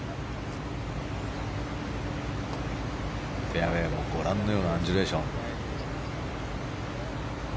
フェアウェーはご覧のようなアンジュレーション。